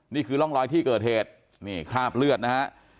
นี่คือร่องรอยที่เกิดเหตุนี่คราบเลือดนะฮะ